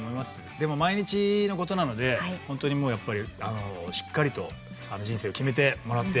でも毎日の事なのでホントにもうやっぱりしっかりと人生を決めてもらって。